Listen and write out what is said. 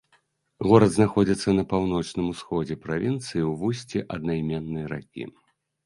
Горад знаходзіцца на паўночным усходзе правінцыі ў вусці аднайменнай ракі.